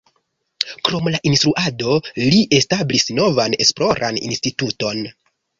Krom la instruado, li establis novan esploran instituton.